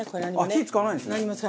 火使わないんですね。